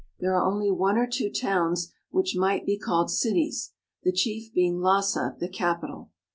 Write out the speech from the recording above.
There are only one or two towns which might be called cities, the chief being Lassa, the capital.